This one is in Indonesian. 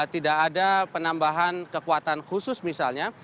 tidak ada penambahan kekuatan khusus misalnya